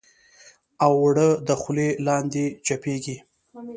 اوړه د خولې لاندې چپېږي